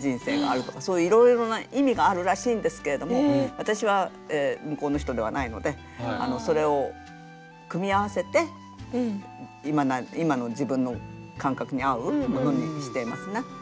人生があるとかそういういろいろな意味があるらしいんですけれども私は向こうの人ではないのでそれを組み合わせて今の自分の感覚に合うものにしてますね。